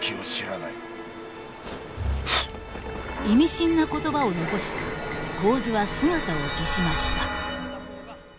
意味深な言葉を残して神頭は姿を消しました。